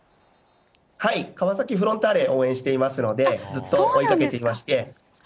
はい、川崎フロンターレを応援していますので、ずっと追いかけていまして。